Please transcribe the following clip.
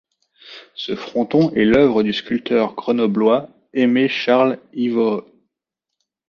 Ce fronton est l'œuvre du sculpteur grenoblois Aimé Charles Irvoy.